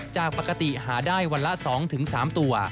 จากปกติหาได้วันละ๒๓ตัว